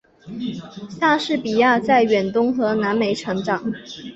莎士比亚在远东和南美成长。